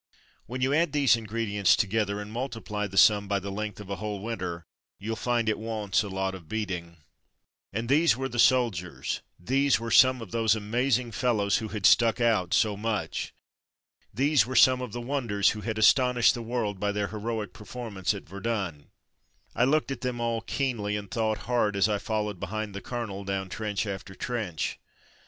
When you add those ingredients together and multiply the sum by the length of a whole winter — you'll find it wants a lot of beating. And these were the soldiers, these were some of those amazing fellows who had "stuck out" so much. These were some of those wonders who had astonished the world by their heroic performance at Ver 170 From Mud to Mufti dun. I looked at them all keenly, and thought hard as I followed behind the colonel down trench after trench.